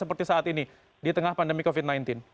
seperti saat ini di tengah pandemi covid sembilan belas